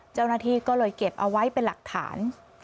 เจ้าหน้าที่ก็เลยเก็บเอาไว้เป็นหลักฐาน